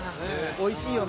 おいしいよな。